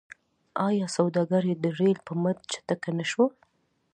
آیا سوداګري د ریل په مټ چټکه نشوه؟